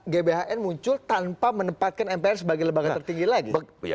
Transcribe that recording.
gbhn muncul tanpa menempatkan mpr sebagai lembaga tertinggi lagi